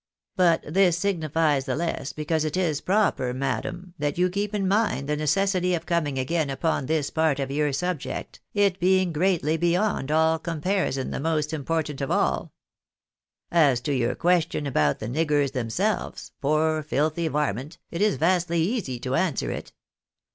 But this signifies the less, because it is proper, madam, that you keep in mind the necessity of coming again upon this part of your subject, it being greatly beyond all comparison the most important of aU. As to your ques tion, about the niggers themselves, poor filthy varment, it is vastly easy to answer it.